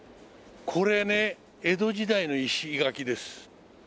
これね江戸時代の石垣です。